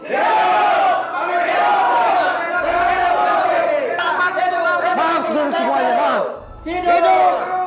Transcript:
maaf sedulur semuanya maaf